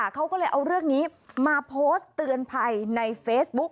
เขาก็เลยเอาเรื่องนี้มาโพสต์เตือนภัยในเฟซบุ๊ก